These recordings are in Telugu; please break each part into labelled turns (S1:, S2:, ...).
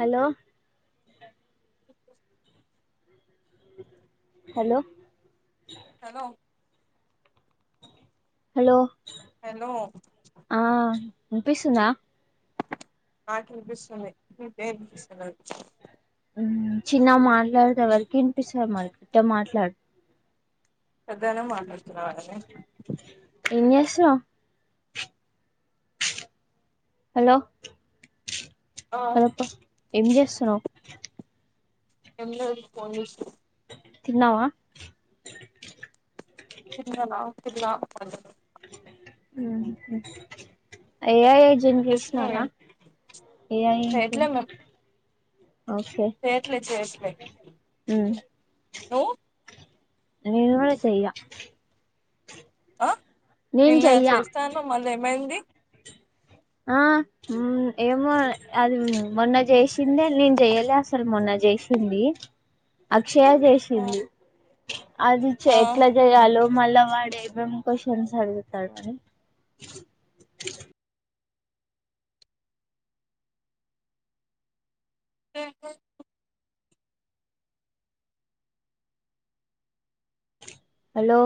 S1: Hello
S2: okay
S1: hello
S2: hello
S1: hello
S2: hello
S1: ఆ వినిపిస్తుందా
S2: నాకు వినిపిస్తుంది నీకే వినిపిస్తలేదు
S1: ఉమ్ చిన్నగా మాట్లాడితే ఎవరికీ వినిపిస్తది మరి గట్టిగా మాట్లాడు
S2: పెద్దగనే మాట్లాడుతున్న కదా నే
S1: ఏం చేస్తున్నావ్ హలో
S2: ఆ
S1: హలోప్ప ఎం చేస్తున్నాం
S2: ఏం లేదు ఫోన్ చూస్తున్న
S1: తిన్నావా
S2: తిన్న నా తిన్న
S1: ఉహూ ఎఐ
S2: చేస్తున్నావే
S1: చేసినారా ఎఐ
S2: చేయట్లే
S1: ఓకే
S2: చెయ్యట్లే చెయ్యట్లే
S1: మ్మ్
S2: నువ్వు
S1: నేను కూడా చెయ్య
S2: ఆ
S1: నేను
S2: నిన్న
S1: చెయ్య
S2: చేస్తానన్నావ్ మల్ల ఏమైంది
S1: ఆ ఉమ్ ఏమో అది మొన్న చేసిన నేను చేయలే అసలు మొన్న చేసింది అక్షయ చే
S2: ఆ
S1: సింది అది
S2: ఆ
S1: ఎట్లా చేయాలో మల్ల వాడు ఏం ఏమ్ క్యూస్షన్స్ అడుగుతాడు అని
S2: చెయ్యట్లే
S1: హలో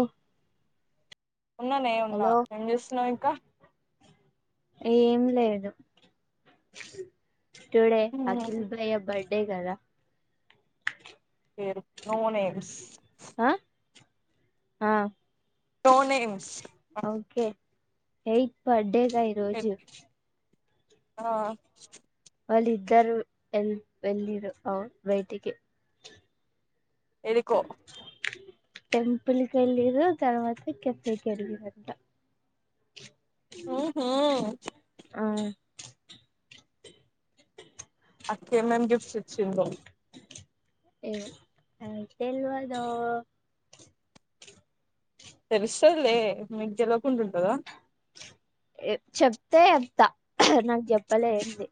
S2: ఉన్ననే ఉన్న
S1: హలో
S2: ఏం చేస్తున్నావ్ ఇంకా
S1: ఏం లేదు టుడే
S2: హ్మ్
S1: అట్టిగానే లేయా బర్త్డే కదా
S2: పేరు నో నేమ్స్
S1: ఆ ఆ
S2: no names
S1: okay eight birthday సైని రోజు
S2: ఆ
S1: వాళ్ళద్దరు ఎల్ వెళ్ళరు అ బయటికి
S2: ఎడికో
S1: టెంపుల్ కి వెళ్ళరు తర్వాత కెఫకి వెళ్ళరాంట
S2: ఓహో
S1: ఆ
S2: అక్క ఏమేం గిఫ్ట్స్ ఇచ్చిందో
S1: ఏ నాకు తెలవదో
S2: తెలుస్తదిలే నీకు తెలవకుండా ఉంటదా
S1: చెప్తే చెప్తా నాకు చెప్పలే ఏంది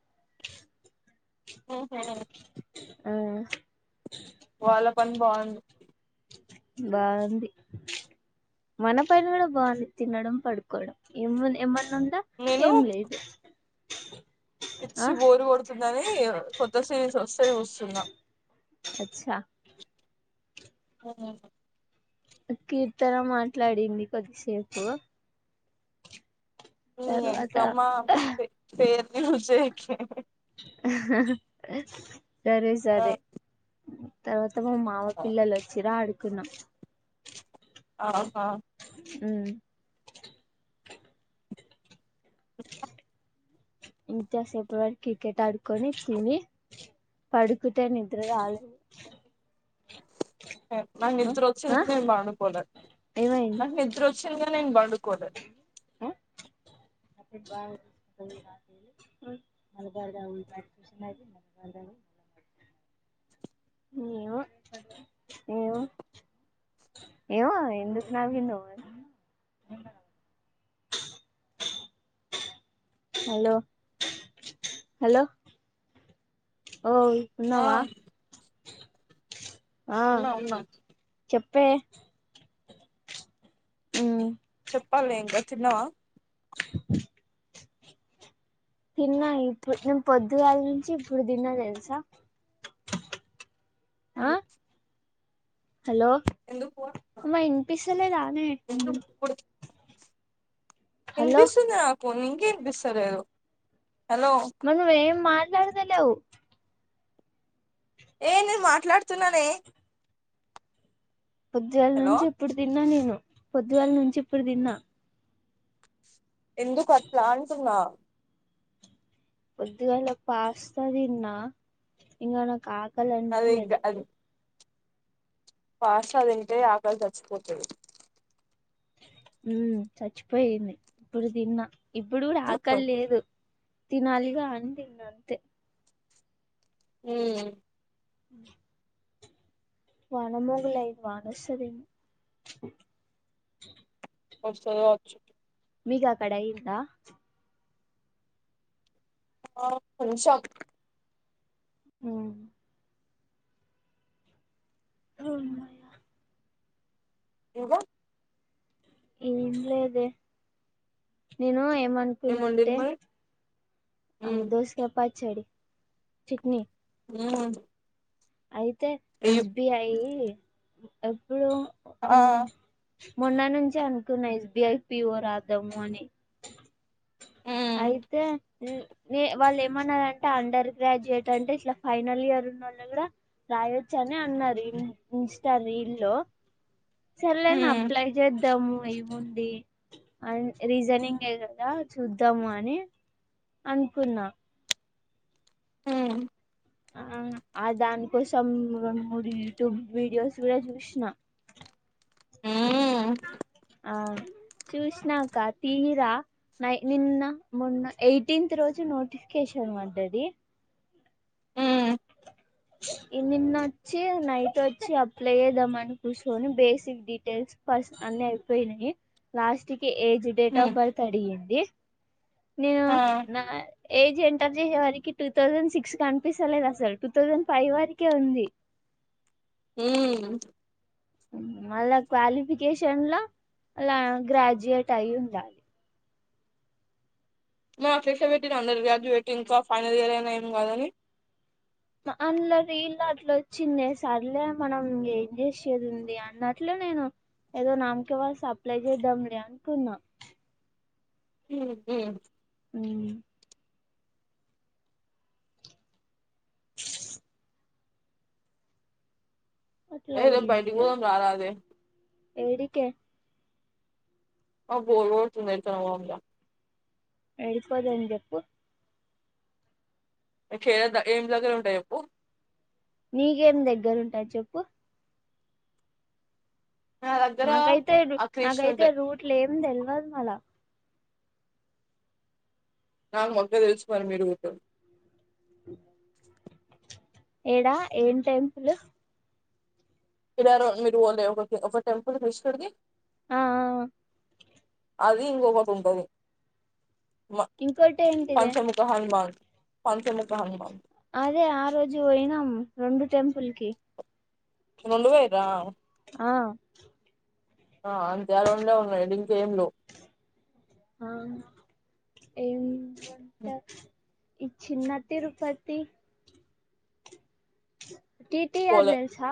S2: ఉహు
S1: ఉమ్
S2: వాళ్ళ పని బాగుంది
S1: బావుంది మన పని కూడా బాగుంది తినడం పడుకోవడం ఏమన్నా ఉందా
S2: నేను
S1: ఏం లేదు ఆ
S2: పిచ్చి బోర్ కొడుతున్నది అన్ని కొత్త సిరీస్ వస్తే చూస్తున
S1: అచ్చ
S2: ఉమ్
S1: కీర్తన మాట్లాడింది కొద్దిసేపు
S2: నీ
S1: తర్వాత
S2: ఎంకమ్మ పేర్లు యూస్ చేయకే
S1: ఆహా హా సరే సరే అవతల మామయ్య పిల్లలు వచ్చారు ఆడుకున్నాం
S2: ఆహా
S1: ఉమ్ ఇంతసేపు వరకి క్రికెట్ ఆడుకొని తిని పడుకుంటే నిద్ర రాలేదు
S2: నాకు
S1: ఆ
S2: నిద్ర వచ్చింది
S1: ఆ
S2: నేను పండుకోలే
S1: ఏమైంది
S2: నాకు నిద్ర వచ్చింది నేను పండుకోలే
S1: హ్మ్ [unintelligible] ఏమో ఏమో ఏమో ఎందుకు నవ్విందో మరి హలో హలో ఓయ్
S2: ఆ
S1: ఉన్నావా ఆ
S2: ఉన్నా ఉన్నా
S1: చెప్పే ఉమ్మ్
S2: చెప్పాల్నే ఇంకా తిన్నావా
S1: తిన్నా ఇప్పుడు నేను పొద్దుగాల నుంచి ఇప్పుడు తిన్నా తెలుసా ఆ హలో
S2: ఎందుకు
S1: అమ్మా ఇన్పిస్తాలేదానే
S2: ఎందుకు
S1: హలో
S2: ఇన్పిస్తుంది నాకు నీకే ఇన్పిస్తలేదు హలో
S1: నువ్వు ఏం మాట్లాడుతాలేవు
S2: ఏ నేను మాట్లాడుతున్నానే
S1: పొద్దుగాల
S2: హలో
S1: నుంచి ఇప్పుడు తిన్నా నేను పొద్దుగాల నుంచి ఇప్పుడు తిన్నా
S2: ఎందుకు అట్లా అంటున్నా
S1: పొద్దుగాల పాస్తా తిన్నా ఇంకా నాకు ఆక్
S2: అది ఇంగ అది పాస్తా తింటే ఆకలి చచ్చిపోతది
S1: ఉం చచ్చిపోయింది ఇప్పుడు తిన్నా ఇప్పుడు కూడా ఆకలి లేదు తినాలిగా అని తిన్న అంతే
S2: ఉం
S1: వాన మబ్బులు అయ్యి వాన వస్తది
S2: వస్తది గావచ్చు
S1: మీకు అక్కడ అయిందా
S2: ఆ కొంచెం
S1: ఉం హమ్మయ్య
S2: ఇంకా
S1: ఏం లేదే నేను ఏమనా
S2: ఏం వండిర్రు
S1: ఏంటంటే
S2: మరి
S1: ఆ
S2: ఉమ్
S1: దోసకాయ పచ్చడి చట్నీ
S2: హ [unintelligible]
S1: అయితే ఎస్బిఐ ఎప్పుడు ఆ మొన్న నుంచి అనుకున్నా ఎస్బిఐ పీఓ రాద్దాము అని
S2: ఉమ్
S1: అయితే వాళ్ళు ఏమన్నారంటే అండర్ గ్రాడ్యుయేట్ అంటే ఇట్లా ఫైనల్ ఇయర్ ఉన్నోళ్లని కూడా రాయొచ్చని అన్నారు ఇన్ ఇన్స్టారీల్ లో సర్లే అని
S2: ఉమ్
S1: అప్లై చేద్దాము అయి ఉంది అండ్ రీజనింగ్ ఏ కదా చూద్దాము చూద్దాం అని అనుకున్నా
S2: ఆ
S1: ఆ ఆ దానికోసం రెండు మూడు యూట్యూబ్ వీడియోస్ కూడా చూసిన
S2: ఉం
S1: ఆ చూస్నా అక్క తీరా నై నిన్న మొన్న ఎయిటీన్త్ రోజు నోటిఫికేషన్ పడ్డది
S2: ఉం
S1: ఈ నిన్న వచ్చి నైట్ వచ్చి అప్లై చేద్దాం అని కుర్సోని బేసిక్ డీటెయిల్స్ ఫస్ట్ అన్ని అయిపోయినియి లాస్ట్ కి age date
S2: um
S1: of birth అడిగింది నేను
S2: ఆ
S1: నా ఏజ్ ఎంటర్ చేసే వారికి టూ థౌజండ్ సిక్స్ కనిపిస్తలేదు అసలు టూ థౌజండ్ ఫైవ్ వరకే ఉంది
S2: ఉం
S1: మళ్ళ క్వాలిఫికేషన్ లో అల గ్రాజ్యుయట్ అయ్యుండాలి
S2: ఆ టెస్టు పెట్టిన అండర్ గ్రాడ్యుట్ ఇంకా ఫైనల్ ఇయర్ అయినా ఏం కాదని
S1: అందులో రీల్లో అట్లొచ్చింది సర్లే మనం ఏం చేసేదుంది అన్నట్లు నేను ఏదో నామ్కీవల్ సప్లై చేద్దాంలే అనుకున్నా
S2: చూడు గూ
S1: ఊ అట్ల
S2: ఏ రేపు బయటికి
S1: అయ్యిందిగా
S2: పోదాం రారాదే
S1: ఎవరికే
S2: ఆ బోర్ కొడుతుందే ఇంట్లోనే ఉన్నానిగ
S1: ఏడికి పోదాం చెప్పు
S2: ఎట్ల చేద్దాం ఏం చదువులు ఉంటాయి చెప్పు
S1: నీకేం దగ్గర ఉంటయ్ చెప్పు
S2: నా దగ్గర
S1: నాకైతే రూ
S2: ఆ క్రిష్
S1: నాకైతే
S2: ఉంటాయి
S1: రూట్లు ఏం తెల్వదుమల
S2: నాకు ముందే తెలుసు మరి మీ రూటు
S1: [inaudible] ఏడా ఏం టెంపులు
S2: ఇడాడో మీరు పోతరా ఒక ఒక టెంపుల్ కృష్ణుడిది
S1: ఆ ఆ ఆ
S2: అది ఇంకొకటి ఉంటది మ
S1: ఇంకోటి ఏంటిదే
S2: పంచముఖ జ హనుమాన్ పంచముఖ హనుమాన్
S1: అదే ఆ రోజు పోయ్నాం రెండు టెంపుల్ కి
S2: రెండు పోయిడ్రా
S1: ఆ
S2: ఆ అంతే ఆ రొండే ఉన్నాయ్ దీంట్లో ఏం లేవ్
S1: ఆ ఏం వంట ఈ చిన్న తిరుపతి టీటిఆర్
S2: పోలే
S1: తెల్సా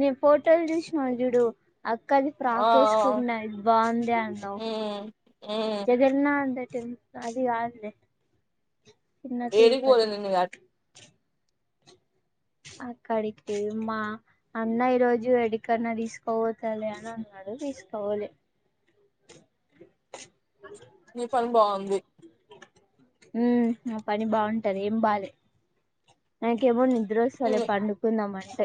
S1: నే పోర్టల్ చూస్ వాడు జుడు అక్క అది
S2: ఆ
S1: ఫ్రాక్
S2: ఆ,
S1: ఏసుకున్నది బాంది అంటావ్
S2: ఉమ్ ఉమ్
S1: జగన్నాధ టెంపుల్ అది కాదులే చిన్న
S2: ఏడికి పోలే
S1: తిరుపతి
S2: నిన్నిగా
S1: అక్కడికి మా అన్న ఈ రోజు ఏడికన్న తీస్కబోతలే అని అన్నాడు తిస్కభోలె మల్లు
S2: నీ పని బావుంది
S1: ఊ నా పని బావుంటది ఏం బాలే నాకేమో నిద్రొస్తలే
S2: ఉమ్,
S1: పండుకుందాం అంటే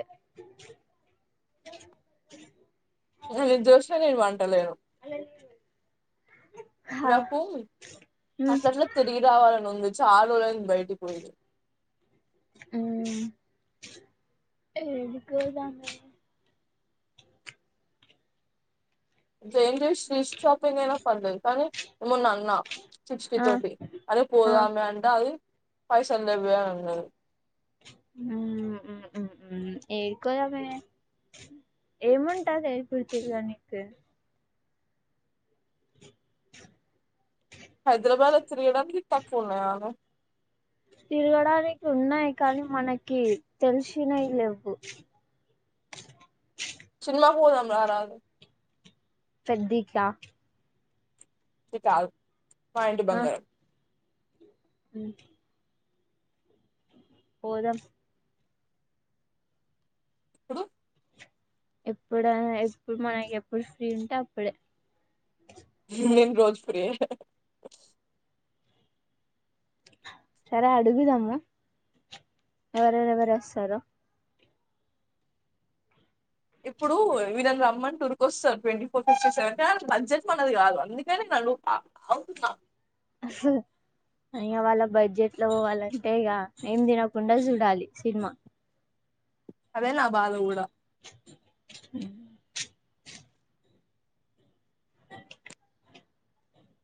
S2: ఏది జేసిన నేను వంటలు
S1: అలరిచ్చు
S2: నాకూ అట్లట్లా తిరిగి రావాలని ఉంది చాలా రోజులయింది బయటకి పోయి
S1: ఊ ఏడికి పొదామె
S2: జైన్ జీస్ స్ట్రీట్ షాపింగ్ అయినా పర్లేదు కానీ మొన్న అన్నా సిక్స్టీ
S1: ఆ
S2: తోటి అదే
S1: ఆ
S2: పోదామే అంటే అదీ పైసల్ లెవ్వే అన్నది
S1: నవ్వు ఆ ఏడికి పోదామే ఏముంటాదే ఎప్పుడు తిరగనీకే
S2: హైదరాబాద్ లో తిరిగే దానికి తక్కువ ఉన్నాయానే
S1: తిరగడానికి ఉన్నాయ్ కానీ మనకీ తెలిసినవి లెవ్వు
S2: సినిమాకి పోదాం రారాదు
S1: పెద్దీకా
S2: కాదు మా ఇంటి బంగారం
S1: ఉమ్ పోదాం
S2: ప్పుడు
S1: ఎప్పుడా ఎప్పుడు మనకి ఎప్పుడు ఫ్రీ ఉంటే అప్పుడే
S2: నేను రోజు ఫ్రీయే
S1: సరే అడుగుదాము ఎవరెవరు ఎవరు వస్తారో?
S2: ఇప్పుడు విధంగా రమ్మని టూరుకి వస్తార్ ట్వంటీ ఫోర్ ఫిఫ్టీ సెవెన్ కా బడ్జెట్ మనది కాదు అందుకని నన్ను అవు నా?
S1: ఆ ఐన వాళ్ళ బడ్జెట్ లో పోవాలంటే ఇక ఏం తినకుండా చూడాలి సిన్మా
S2: అదే నా బాధ గూడా
S1: ఉ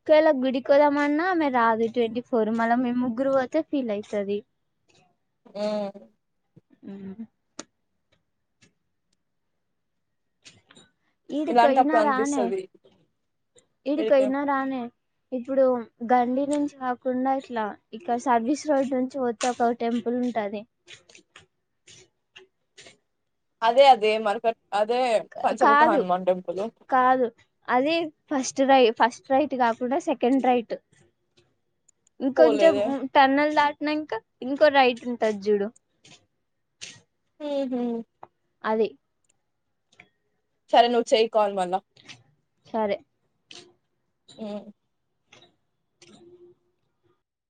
S1: ఒకవేళ గుడికిదామన్నా ఆమె రాదు ట్వంటీ ఫోర్ మళ్ళీ మేము ముగ్గురు పోతే ఫీల్ అయితది
S2: ఉమ్
S1: ఊహు ఈడి కొయిన
S2: ఇలాంటప్పుడు
S1: రానే
S2: అనిపిస్తది
S1: ఈడి కొయిన రానే ఇప్పుడు గండి నుంచి కాకుండా ఇట్లా ఇక్కడ సర్వీస్ రోడ్ నుంచి వచ్ ఒక టెంపుల్ ఉంటాది
S2: అదే అదే మర్కట్ అదే పంచముఖ
S1: కాదు
S2: హనుమాన్ టెంపులు
S1: కాదు అది ఫస్ట్ రై ఫస్ట్ రైట్ కాకుండా సెకండ్ రైట్ ఇంకొంచెం
S2: పోలేదే
S1: టన్నల్ దాటినంక ఇంకో రైట్ ఉంటది జూడు
S2: ఊహు
S1: అది
S2: సరే నువ్వు చెయ్ కాల్ మల్లా
S1: సరే
S2: ఊ
S1: త [inaudible]